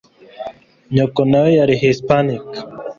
Nyoko nawe yari Hispanic?